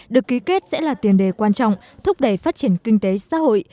được ký kết sẽ là tiền đề quan trọng thúc đẩy phát triển kinh tế xã hội